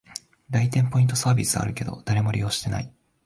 来店ポイントサービスあるけど、誰も利用してない